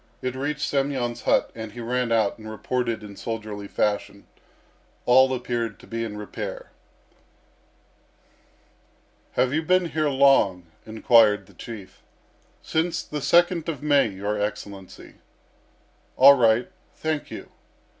It reached Semyon's hut, and he ran out and reported in soldierly fashion. All appeared to be in repair. "Have you been here long?" inquired the Chief. "Since the second of May, your Excellency." "All right. Thank you.